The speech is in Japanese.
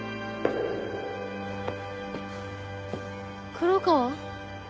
・黒川？